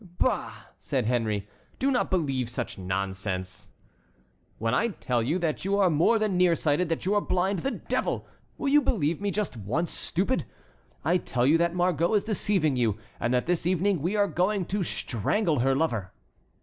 "Bah!" said Henry; "do not believe such nonsense." "When I tell you that you are more than near sighted, that you are blind, the devil! will you believe me just once, stupid? I tell you that Margot is deceiving you, and that this evening we are going to strangle her lover."